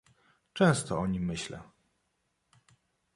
"Często o nim myślę."